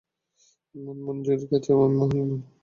Moon Moon জীর কাছে, আমি মহল বিক্রি করে দিছি।